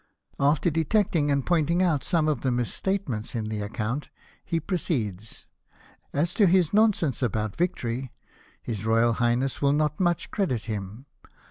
After detecting and pointing out some of the mis statements in the account, he proceeds :" As to his nonsense about victory, His Royal Highness will not much credit him.